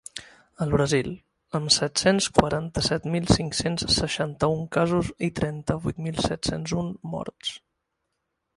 El Brasil, amb set-cents quaranta-set mil cinc-cents seixanta-un casos i trenta-vuit mil set-cents un morts.